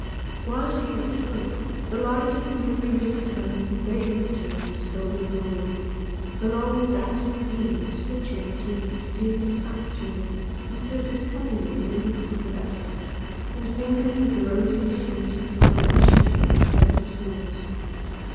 While she yet spoke, the light of the newly risen sun bathed her in its golden glory, the long dazzling beams filtering through mysterious apertures inserted cunningly in the roof of the vessel and mingling with the roseate hues of the silken sheathing that covered its walls.